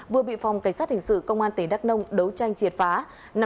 vừa bị phòng cảnh sát hình sự công an tỉnh đắk nông đấu tranh triệt phá